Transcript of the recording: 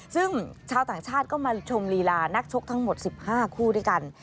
ซึ่งชาวต่างชาติก็มาชมลีลานักชกทั้งหมด๑๕คู่ด้วยกัน